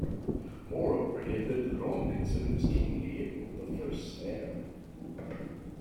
Moreover, he had long been considered as King Leo the First's heir.